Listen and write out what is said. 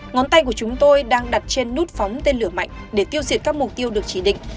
ngón tay của chúng tôi đang đặt trên nút phóng tên lửa mạnh để tiêu diệt các mục tiêu được chỉ định